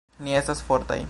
Ni estas fortaj